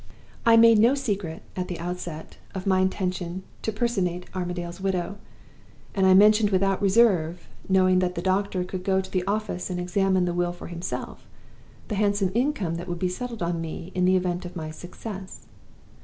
"I made no secret, at the outset, of my intention to personate Armadale's widow; and I mentioned without reserve (knowing that the doctor could go to the office and examine the will for himself) the handsome income that would be settled on me in the event of my success.